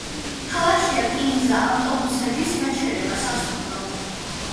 ქალაქშია რკინიგზა, ავტობუსების გაჩერება, სასტუმრო.